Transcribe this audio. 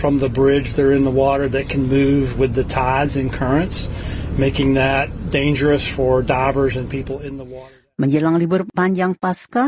menjelang libur panjang pasca